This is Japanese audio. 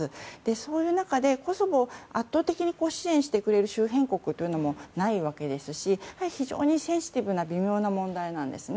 そういう中でコソボを圧倒的に支援してくれる周辺国というのもないわけですし非常にセンシティブな微妙な問題なんですね。